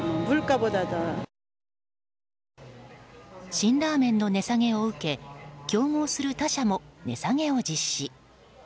辛ラーメンの値下げを受け競合する他社も値下げを実施。